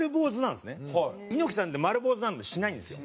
猪木さんって丸坊主なんてしないんですよ。